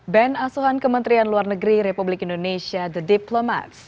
band asuhan kementerian luar negeri republik indonesia the diplomats